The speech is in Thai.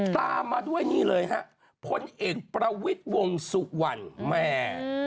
ตามมาด้วยนี่เลยฮะพลเอกประวิทย์วงสุวรรณแม่